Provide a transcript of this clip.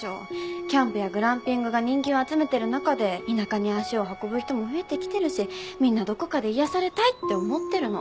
キャンプやグランピングが人気を集めてる中で田舎に足を運ぶ人も増えてきてるしみんなどこかで癒やされたいって思ってるの。